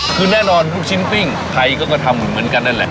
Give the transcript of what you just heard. คือแน่นอนลูกชิ้นปิ้งไทยก็ทำเหมือนกันนั่นแหละ